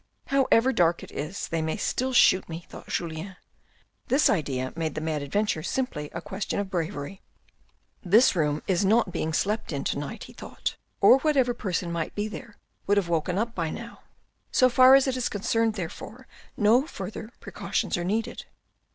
" However dark it is, they may still shoot me," thought Julien. This idea made the mad adventure simply a question of bravery. "This room is not being slept in to night," he thought, "or whatever person might be there would have woken up AN AMBITIOUS MAN 223 by now. So far as it is concerned, therefore, no further precautions are needed.